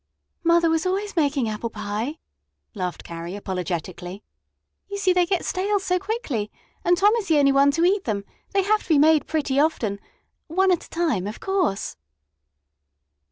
"Mother was always making apple pie," laughed Carrie apologetically. "You see, they get stale so quickly, and Tom is the only one to eat them, they have to be made pretty often one at a time, of course."